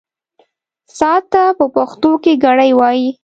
ساعت ته په پښتو کې ګړۍ وايي.